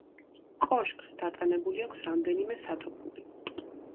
კოშკს დატანებული აქვს რამდენიმე სათოფური.